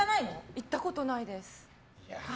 行ったことないです。